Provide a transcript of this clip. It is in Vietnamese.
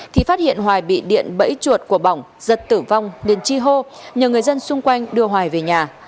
thì phát hiện hoài bị điện bẫy chuột của bỏng giật tử vong điền chi hô nhờ người dân xung quanh đưa hoài về nhà